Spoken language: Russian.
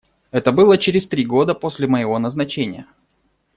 Это было через три года после моего назначения.